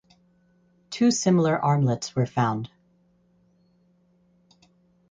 Two similar armlets were found.